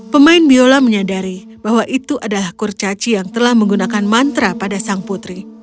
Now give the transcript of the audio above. pemain biola menyadari bahwa itu adalah kurcaci yang telah menggunakan mantra pada sang putri